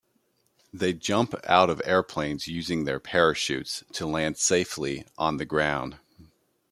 They jump out of airplanes using their parachutes to land safely on the ground.